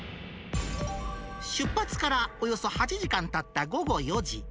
出発からおよそ８時間たった午後４時。